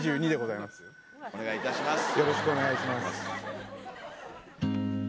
お願いいたします